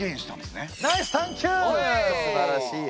すばらしい！